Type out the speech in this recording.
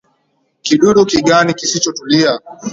Kidudu kigani kisichotulia.